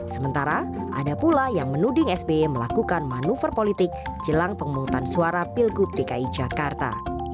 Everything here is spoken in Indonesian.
sementara ada pula yang menuding sby melakukan manuver politik jelang pemungutan suara pilgub dki jakarta